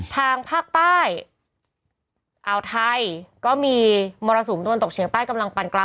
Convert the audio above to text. ทางภาคใต้อ่าวไทยก็มีมรสุมตะวันตกเฉียงใต้กำลังปันกลาง